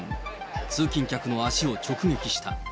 通勤客の足を直撃した。